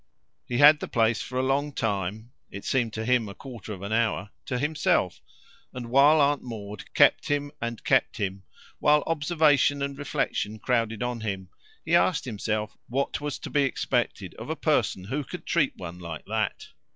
He had the place for a long time it seemed to him a quarter of an hour to himself; and while Aunt Maud kept him and kept him, while observation and reflexion crowded on him, he asked himself what was to be expected of a person who could treat one like that.